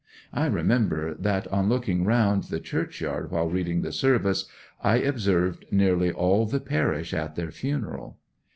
I remember that, on looking round the churchyard while reading the service, I observed nearly all the parish at their funeral.